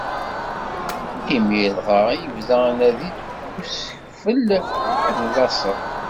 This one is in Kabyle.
Imir dɣa i yebda anadi d usekfel n laṣel.